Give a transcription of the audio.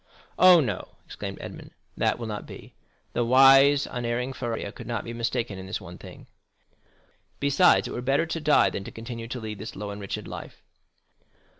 Oh, no!" exclaimed Edmond, "that will not be. The wise, unerring Faria could not be mistaken in this one thing. Besides, it were better to die than to continue to lead this low and wretched life."